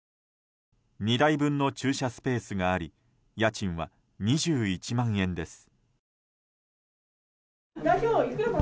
２台分の駐車スペースがあり家賃は２１万円です。